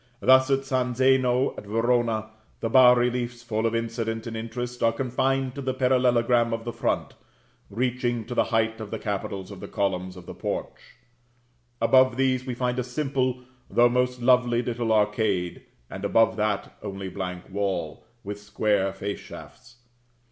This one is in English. Thus at San Zeno at Verona, the bas reliefs, full of incident and interest are confined to a parallelogram of the front, reaching to the height of the capitals of the columns of the porch. Above these, we find a simple though most lovely, little arcade; and above that, only blank wall, with square face shafts.